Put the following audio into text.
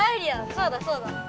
そうだそうだ！